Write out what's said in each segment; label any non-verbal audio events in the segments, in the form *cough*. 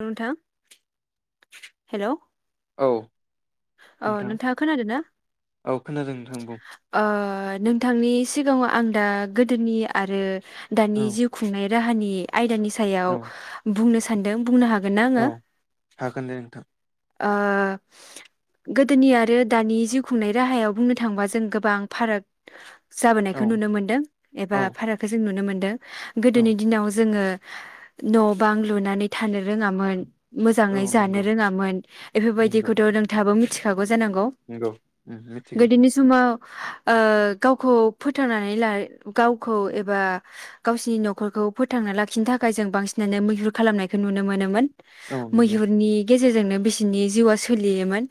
औ नोंथां हेल'। औ औ नोंथां नोंथाङा खोनादों ना औ खोनादों नोंथां बुं ओ नोंथांनि। सिगाङाव आं दा गोदोनि आरो। दानि औ जिउ खुंनायाव। राहानि। आयदानि सायाव औ बुंनो सा। न्दों। बुंनो हागोन। औ हागोन दे नोंथां। ओ गोदोनि आरो दानि जिउ खुंनाय राहायाव बुंनो थाङोबा जों गोबां फाराग। औ जाबोनायखौ नुनो मोन्दों एबा औ भाराखौ जों नुनो मोनदों। औ गोदोनि दिनाव जोङो। न' बां लुनानै थानो रोङामोन। औ मोजाङै जानो नंगौ रोङामोन। नंगौ बेफोरबायदिखौथ' नों थाबो मिथि। थाब। बो जानांगौ नंगौ उम मिथिगौ गोदोनि समाव। ओ गावखौ फोथांनानै ला गावखौ एबा गावसिनि न'खरखौ फोथांनानै लाखिनो थाखाय जों बांसिनानो मैहुर खालामनायखौ नुनो मोनोमोन। औ नंगौ मैहुरनि। गेजेरजोंनो बिसि। बिनि जिउआ सोलियोमोन।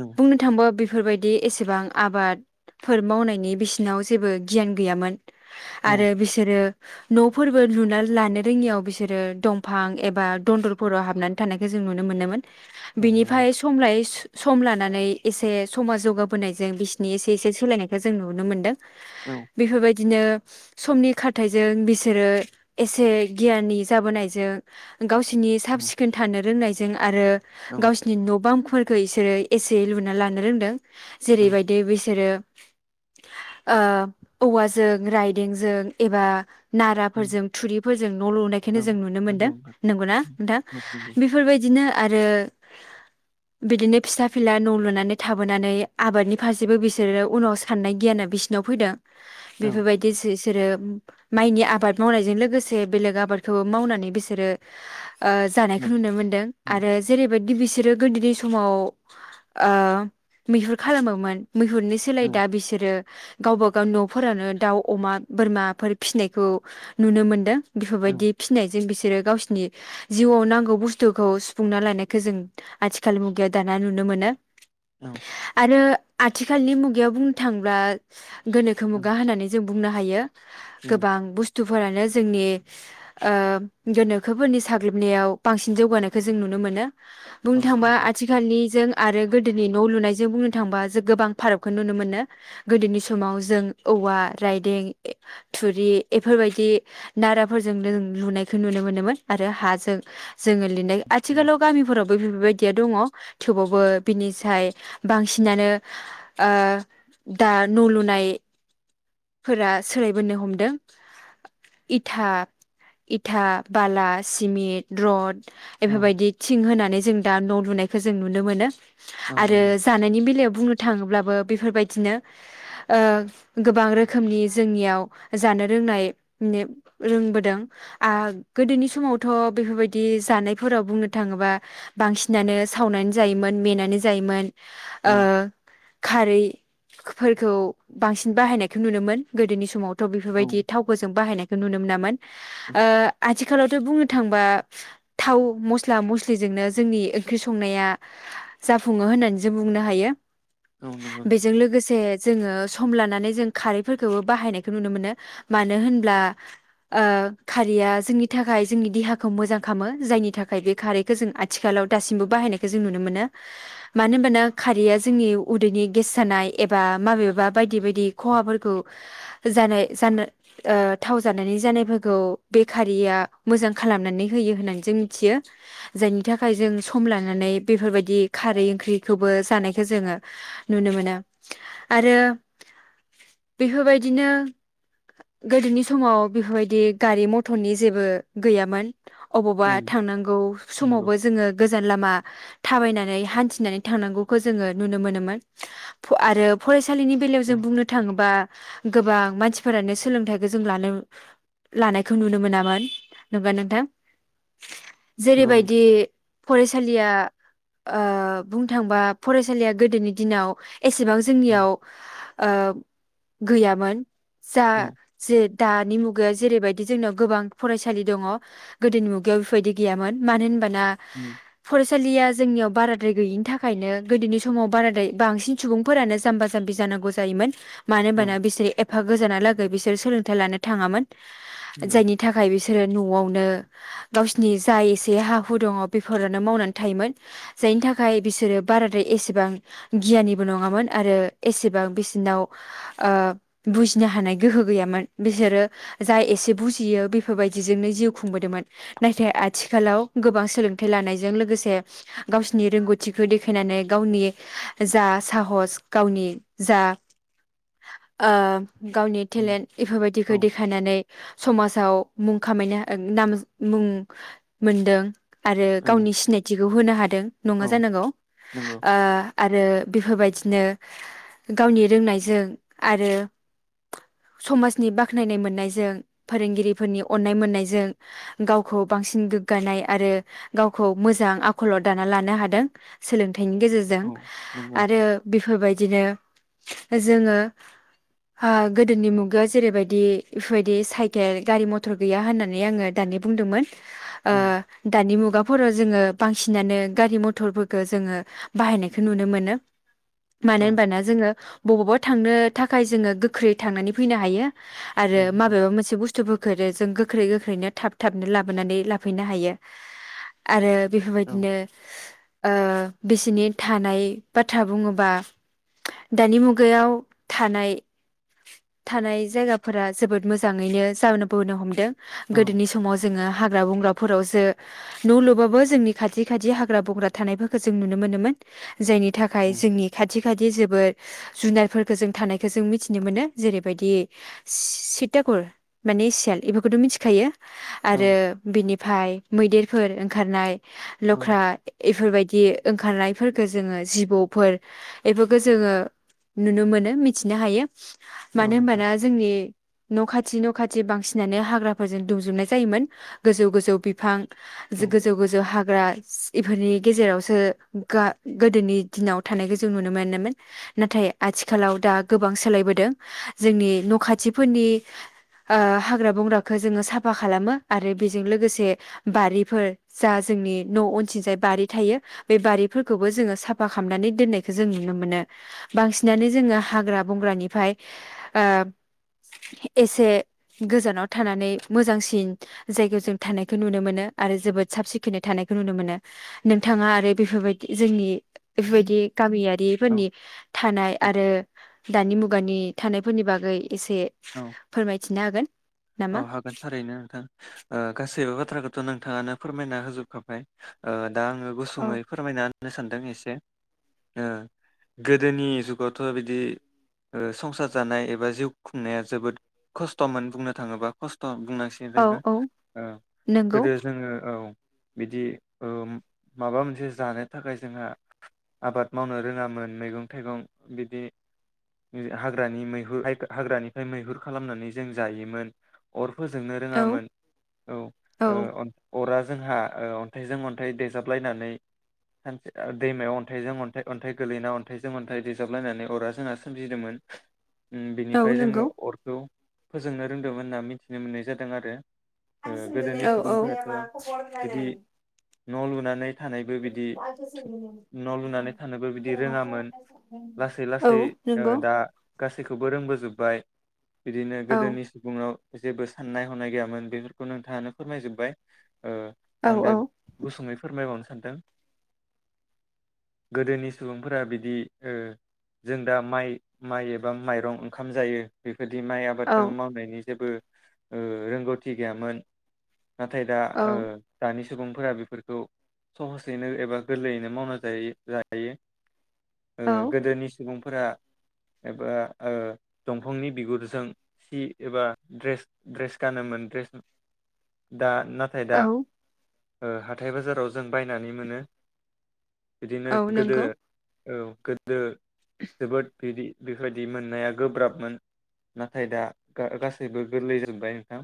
औ बुंनो थाङोबा बेफो। बेफोरबायदि एसेबां आबादफोर मावनायनि बिसिनाव जेबो गियान गैयामोन। औ आरो बिसोरो। न'फोरबो लुना लानो रोङियाव बिसोरो दंफां एबा दन्दरफोराव हाबनानै थानायखौ जों नुनो मोनोमोन। औ नंगौ बिनिफ्राय समलायै सम सम लानानै एसे समाज जौगाबोनायजों बिसिनि एसे-एसे सोलायनायखौ जों नुनो मोन्दों। औ बेफोरबायदि बिदिनो समनि खारथाइजों बिसोरो एसे गियाननि जाबोनायजों गावसिनि साब उम सिखोन थानो रोंनाय जों आरो औ गावसिनि न' बां फोरखौ इसोरो एसे लुना लानो रोंदों। औ जेरैबायदि बिसोरो ओ औवाजों राइदेंजों एबा उम नाराफोरजों थुरिफोरजों न' लुनायखौनो औ जों नुनो नंगौ मोनदों नोंथां नंगौना उम नोंथां औ नंगौ बेफोरबायदिनो आरो बिदिनो फिसा फिला न' लुनानै थाबोनानै आबादनि फारसेबो बिसोरो उनाव साननाय गियाना बिसिनाव फैदों। औ बेफोरबायदि जिस सोरो माइनि आबाद मावनायजों लोगोसे बेलेग आबादखौबो मावनानै बिसोरो ओ जानायखौ औ नुनो मोनदों आरो जेरै बेबायदि बिसोरो गोदोनि समाव ओ मैहुर खालामोमोन मैहुरनि सोलाय औ दा बिसोरो गावबागाव न'फोरानो दाउ अमा बोरमाफोर फिसिनायखौ नुनो मोनदों। औ बेफोरबायदि फिनायजों बिसो सोरो गावसिनि जिउआव नांगौ बुस्थुखौ सुफुंनानै लानाय खौ जों आथिखाल मुगायाव दाना नुनो मोनो। औ। रो आथिखालनि मुगायाव बुंनो थांब्ला गोनोखो उम मुगा होननानै जों बुंनो हायो। उम गोबां बुस स्थुफोरानो जोंनि ओ गोनोखोफोरनि साग्लोबनायाव बांसिन जौगानायखौ जों नुनो मोनो। औ बुंनो थांबा नंगौ आथिखालनि जों आरो गोदोनि न' लुनायजों बुंनो थांबा जों गोबां फारागखौ नुनो मोनो गोदोनि समाव जों औवा रायदें ए थुरि एफोरबायदि नाराफोरजों जों लुनायखौ नुनो मोनोमोन आरो हाजों जोङो लिरनाय नंगौ आथिखालाव रावबो बेफोरबायदिया दङ थेवबाबो बिनिसाय बांसिनानो ओ दा न' लुनायफोरा सोलायबोनो हमदों इथा-इथा बाला सिमेट रद औ एफोरबायदि थिं होनानै जों दा न' लुनायखौ जों नुनो मोनो। औ आरो नंगौ जानायनि बेलायाव बुंनो थाङोब ब्लाबो बेफोरबायदिनो ओ गोबां रोखोमनि जोंनियाव जानो रोंनाय निब रोंबोदों आ गोदोनि समावथ' बेफोरबायदि जानायफोराव बुंनो थाङोबा बांसिनानो सावनानै जायोमोन मेनानै जायोमोन। ओ औ खारैफोरखौ बांसिन बाहायनायखौ नुनोमोन गोदोनि समाव थ' बेफोरबायदि थावखौजों बाहायनाय खौ नुनो मोनामोन औ ओ नंगौ आथिखालावथ' बुंनो थांबा थाव मस्ल स्ला मस्लिजोंनो जोंनि ओंख्रि संनाया जाफुङो होननानै जों बुंनो हायो। उम नंगौ बेजों लोगोसे जोङो स सम लानानै जों खारैफोरखौबो बाहायनायखौ नुनो मोनो मानो होनब्ला ओ खारैया जोंनि थाखाय जोंनि देहाखौ मोजां खामो जायनि थाख खाय बे खारैखौ जों आथिखालाव दासिमबो बाहायनायखौ जों नुनो मोनो मानो होनबाना खारैया जोंनि उदैनि गेस जानाय एबा माबेबा बायदि बाय दि खहाफोरखौ जानाय जानो ओ थाव जानायनि जानायफोरखौ बेखारिया मोजां खालामनानै होयो होननानै जों मिथियो। जायनि थाखाय जों सम लानानै बेफोरबायदि खारै ओंख्रिखौबो जानायखौ जोङो नुनो मोनो आरो बेफोरबायदिनो गोदोनि समाव बेफोरबायदि गारि मथरनि जेबो गैयामोन। अबावबा औ थांनांगौ समावबो जोङो गोजान लामा थाबायनानै हान्थिनानै थांनांगौखौ जोङो नुनो मोनोमोन फ आरो फरायस सालिनि बेलायाव जों बुंनो थाङोबा गोबां मानसिफोरानो सोलोंथाइखौ जों लानो लानायखौ नुनो मोनामोन नंगौ ना नोंथां? नंगौ जेरैबायदि नोंथां फरायसालिया ओ बुंनो थांबा फरायसालिया गोदोनि दिनाव एसेबां औ जोंनियाव ओ गैयामोन जा औ जेद दानि मुगायाव जेरैबायदि जोंनाव गोबां फरायसालि दङ गोदोनि मुगायाव बेफोरबायदि गैयामोन मानो होन बाना उम फरायस सालिया जोंनियाव बाराद्राय गैयिनि थाखायनो गोदोनि समाव बाराद्राय बांसिन सुबुंफोरानो जाम्बा जाम्बि जानांगौ जायोमोन। मानो औ होमबाना बिसोर एफ फा गोजाना लागै बिसोर सोलोंथाइ लानो थाङामोन। नंगौ जायनि थाखाय बिसो सोरो न'आवनो गावस नि जा एसे हा हु दङ बेफोरानो मावनानै थायोमोन जायनि थाखाय बिसोरो बाराद्राय एसेबां गियानिबो नङामोन आरो एसेबां बिसनाव ओ बुजिनो हानाय गोहो गैयामोन बिसोरो जा एसे बुजियो बेफोरबायदिजोंनो जिउ खुंबोदोंमोन। नाथाय आथिखालाव गोबां सोलोंथाइ लानायजों लोगोसे गावसिनि रोंगौथिखौ देखायनानै गावनि जा साहस गावनि जा ओ गावनि उम टेलेन्ट बेफोरबायदिखौ औ देखायनानै समाज आव मुं खामायनो नाम मुं मोनदों आरो औ गावनि सिनायथिखौ होनो हादों नङा औ जानांगौ नंगौ ओ आरो बेफोरबायदिनो गावनि रोंनायजों आरो समाजनि बाख्नायनाय मोननायजों फोरोंगिरिफोरनि अननाय मोननायजों गावखौ बांसिन गोग्गानाय आरो गावखौ मोजां आखलर दाना लानो हादों सोलों थायनि गेजेरजों औ नंगौ आरो बेफोरबायदिनो जोङो ओ गोदोनि मुगायाव जेरैबायदि बेफोरबायदि साइकेल गारि मथर गैया होननानै आङो दानि बुंदोंमोन ओ औ दानि मु गाफोराव जोङो बांसिनानो गारि मथरफोरखौो जोङो बाहायनायखौ नुनो मोनो औ मानो होनबाना जोङो बबावबा थांनो थाखाय जोङो गोख्रै थांनानै फैनो हायो औ आरो माबेबा मोनसे बुस्थुबो खो जों गो गोख्रै गोख्रैनो थाब थाबनो लाबोनानै लाफैनो हायो आरो औ बेफोरबायदिनो ओ बिसनि थानाय बाथ्रा बुङोबा दानि मुगायाव थानाय थानाय जायगाफोरा जोबोद मोजाङैनो जान बोनो हमदों औ गोदोनि जोङो हाग्रा बंग्राफोरावसो न' लुबाबो जोंनि खाथि खाथि हाग्रा बंग्रा थानायफोरखौ जों नुनो मोनोमोन जायनि थाखाय उम, जोंनि खाथि खाथि जोबोद जुनारफोरखौ जों थानायखौ जों मिथिनो मोनो जेरैबायदि सिततागुर माने सेल बेफोरखौथ' मिथिखायो औ आरो बिनिफ्राय मैदेरफोर ओंखारनाय औ लख्रा इफोरबायदि ओंखारनायफोरखौ जोङो जिबौफोर बेफोरखौ जोङो नुनो मोनो मिथिनो हायो औ मानो नोंथां होनोमबाना जोंनि न' खाथि न' खाथि बांसिनानो हाग्राफोरजों दुंजोबनाय जायोमोन गोजौ गोजौ बिफां औ गोजौ गोजौ हाग ब्रास इफोरनि गेजेरावसो गा गोदोनि दिनाव थानायखौ जों नुनो मोनोमोन नाथाय आथिखालाव दा गोबां सोलाय बोदों जोंनि न खाथिफोरनि ओ हाग्रा बंग्रा फोरा जोङो साफा साफा खालामो आरो बेजों लोगोसे बारिफोर जा जोंनि न' अनसिंजाय बारि थायो बे बारिफोरखौबो जोङो साफा खालामनानै दोननायखौ जों नुनो मोनो बांसिनानो जोङो हाग्रा बंग्रानिफ्राय एसे गोजानाव थानानै मोजांसिन जायगायाव जों थानायखौ नुनो मोनो आरो जोबोद साब सिखोनै थानायखौ नुनो मोनो नोंथाङा आरो बेफोरबायदि जोंनि बेफोरबायदि औ गामियारिफोरनि थानाय आरो दानि मुगानि थानायफोरनि बागै एसे औ फोरमायथिनो हागोन औ नामा हागोन थारैनो नोंथां ओ गा गासैबो बाथ्राखौथ' नोंथाङानो फोरमायना होजोबखाबाय ओ दा आङो औ गुसुङै फोरमायना होननो सानदों एसे गोदोनि जुगावथ' बिदि संसार जानाय एबा जिउ खुंनाया जोबोद खस्थ'मोन बुंनो थाङोबा खस्थ' बुंनांसिगोन जे औ औ नोंथां औ नंगौ गोदो जोङो औ बिदि माबा मोनसे जानो थाखाय जोंहा आबाद मावनो रोङामोन मैगं थाइगं बिदि हाग्रानि मैहुर हाग्रानिफ्राय मैहुर खालामनानै जों जायोमोन अर फोजोंनो औ रोङामोन औ औ अरा जोंहा अनथाइजों अनथाइ देजाबलायनानै दैमायाव अनथाइजों अनथाइ अनथाइ गोलैना अनथाइजों अनथाइ देजाबलायनानै अरा जोंहा सोमजिदोंमोन ओम औ बिनिफ्राय नंगौ जोङो अरखौ फोजोंनो रोंदोंमोन होनना मिथिनो मोननाय जादों आरो। ओ आं सोंदोरे गोदोनि *unintelligible* या सुबुंफोराथ' मा खबर बिदि होननानै औ औ न' लुनानै थानायबो बिदि न' लुनानै थानोबो बिदि रोङामोन लासै औ लासै ओ नंगौ दा गासै गासैखौबो रोंबोजोबबाय बिदिनो औ गोदोनि याव जेबो साननाय हनाय गैयामोन बेफोरखौ नोंथाङानो फोरमायजोबबाय। ओ औ आं दा औ गुसुङै फोरमायबावनोसै *unintelligible* गोदोनि सुबुंफोरा बिदि जों दा माइ माइ एबा माइरं ओंखाम जायो बे बिदि माइ आबादखौ मावनाय जेबो ओ रोंगौथि गैयामोन। नाथाय दा औ ओ दानि सुबुंफोरा बेफोरखौ सहसैनो एबा गोरलैयैनो मावना जायो लायो। ओ गोदोनि सुबुं फोरा एबा ओ दंफांनि बिगुरजों सि एबा ड्रेस ड्रेस गानोमोन ड्रेस दा नाथाय दा औ ओ हाथाय बाजाराव जों बायनानै मोनो। बिदिनो औ गोदो नंगौ औ गोदो जोबोद बिदि बेबायदि मोननाया गोब्राबमोन नाथाय दा गा-गासैबो गोरलै जाजोबबाय नोंथां।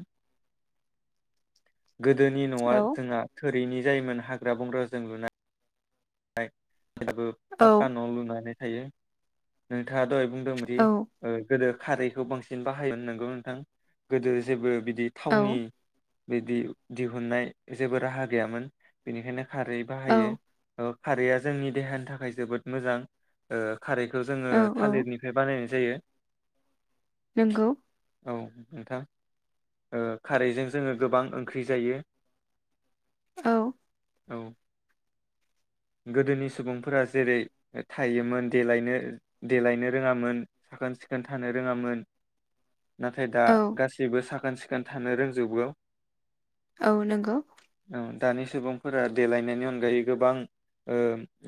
गोदोनि न'आ औ जोंहा थोरिनि जायोमोन हाग्रा बंग्राजों लुनाय नाय *unintelligible* औ पाका न लुनानै थायो नोंथाङा दहाय बुं दोंदि औ ओ गोदो खारैखौ बांसिन बाहाय नोंगौ नोंथां गोदो जेबो बि दि थावनि औ बिदि दिहुननाय जेबो राहा गैयामोन। बेनिखायनो खारै बाहायो। औ खारैया जोंनि देहानि थाखाय जोबोद मोजां ओ खारैखौ जोङो औ औ थालिरनिफ्राय बानायनाय जायो नोंगौ औ नोंथां ओ खारैजों जोङो गोबां ओंख्रि जायो औ औ गोदोनि सुबुंफोरा जेरै थायोमोन देलायनो देलायनो रोङामोन साखोन सिखोन थानो रोङामोन नाथाय दा औ गाैबो साखोन सिखोन खोन्थानो रोंजोबगौ औ नंगौ औ दानि सुबुंफोरा देलायनायनि अनगायै गोबां ओ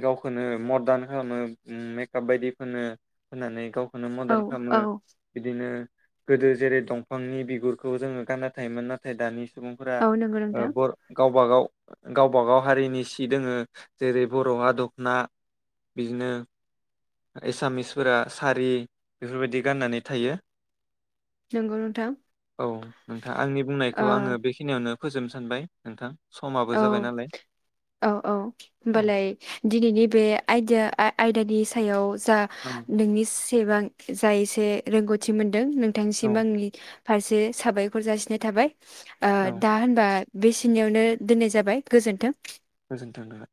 गावखौनो मदार्न खालामो मेकाप बायदि फो होननानै गाव खौनो औ मदार्न खालामो औ बिदिनो गोदो जेरै दंफांनि बिगुरखौ जोङो गानना थायोमोन नाथाय दानि सुबुंफोरा औ नंगौ ओ नोंथां बर' गाव गावबागाव गावबागाव हारिनि सि दोङो जेरै बर'आ दखना बिदिनो एसामिसफोरा सारि बेफोरबायदि गाननानै थायो नंगौ नोंथां औ नोंथां आंनि बुंनायखौ ओ आङो बेखिनियावनो फोजोबनो सानबाय नोंथां समाबो औ जाबाय नालाय औ औ औ होमबालाय दिनैनि बे आयदिया आय आयदा नि सायाव जा औ नोंनि एसेबां जाय एसे रोंगौथि मोन नोंथांसिम औ आंनि फारसे साबायखर जासिनाय थाबाय ओ औ दा होनबा बेसिनियावनो। दोननाय जाबाय गोजोन्थों। गोजोन्थों नोंथाङा।